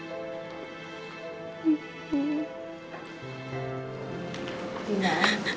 aku pergi ya